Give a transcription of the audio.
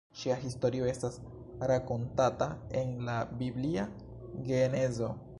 Ŝia historio estas rakontata en la biblia genezo.